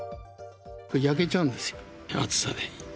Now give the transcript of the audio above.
焼けちゃうんですよ、暑さで。